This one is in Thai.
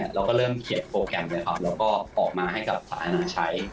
เราก็เริ่มเขียนโปรแก็นต์ไปครับแล้วก็มาให้กับสารหันักใช้